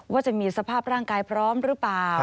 ว่าจะมีสภาพร่างกายพร้อมหรือเปล่า